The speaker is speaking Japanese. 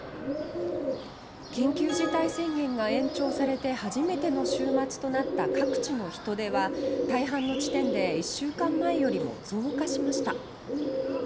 緊急事態宣言が延長されて初めての週末となった各地の人出は大半の地点で１週間前よりも増加しました。